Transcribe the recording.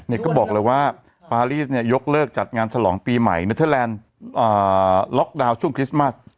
ก็บอกเลยว่าปารีสเนี่ยยกเลิกจัดงานฉลองปีใหม่เนเทอร์แลนด์ล็อกดาวน์ช่วงคริสต์มัส